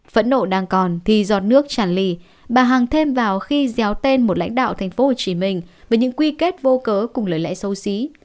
phẫn nộ đang còn thì giọt nước chản ly bà hằng thêm vào khi déo tên một lãnh đạo thành phố hồ chí minh với những quy kết vô cớ cùng lời lẽ xấu xí